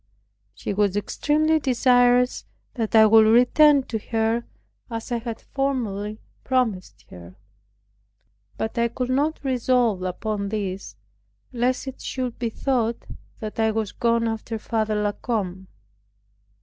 She was extremely desirous that I would return to her, as I had formerly promised her. But I could not resolve upon this, lest it should be thought that I was gone after Father La Combe.